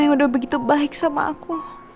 yang udah begitu baik sama aku